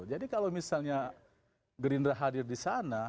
jadi kalau misalnya gerindra hadir di sana